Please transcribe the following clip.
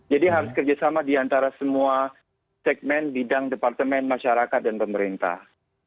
jadi harus kerjasama di antara semua segmen bidang departemen masyarakat dan pemerintah